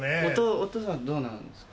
お父さんはどうなんですか？